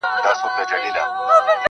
لکه له باد سره الوتې وړۍ -